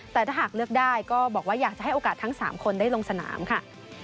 แต่ถ้าหากเลือกได้ก็บอกว่าอยากจะให้โอกาสทั้ง๓คนได้ลงสนามค่ะ